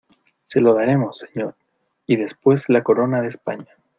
se lo daremos, señor... y después la corona de España .